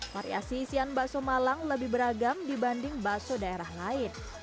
variasi isian bakso malang lebih beragam dibanding bakso daerah lain